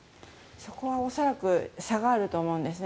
そこは恐らく差があると思います。